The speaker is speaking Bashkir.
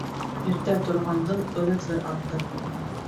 Иртә торғандың ырыҫы артыр.